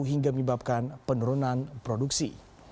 hingga menyebabkan penurunan produksi